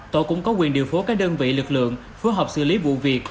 tổ cũng có quyền điều phố các đơn vị lực lượng phù hợp xử lý vụ việc